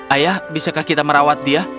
ayah bisakah kita merawat dia